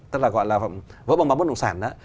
tức là gọi là vỡ bóng bán bất động sản đó